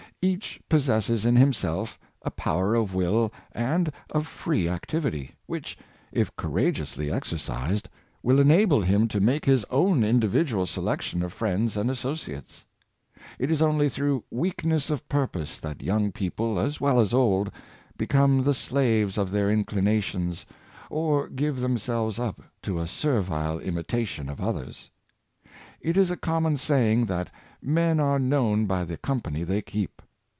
Each pos sesses in himself a power of will and of free activity, which, if courageously exercised, will enable him to make his own individual selection of friends and asso ciates. It is only through weakness of purpose that Compan?onshzp of the Good, 123 young people as well as old, become the slaves of their inclinations, or give themselves up to a servile imitation of others. It is a common saying that men are known by the company they keep.